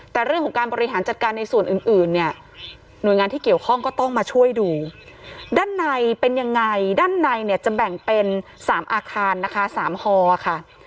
แต่เรื่องของการบริหารจัดการในส่วนอื่นเนี่ยหน่วยงานที่เกี่ยวข้องก็ต้องมาช่วยดูด้านในเป็นยังไงด้านในเนี่ยจะแบ่งเป็น๓อาคารนะคะ๓ฮอค่ะ